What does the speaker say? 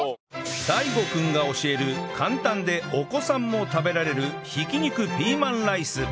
ＤＡＩＧＯ 君が教える簡単でお子さんも食べられるひき肉ピーマンライス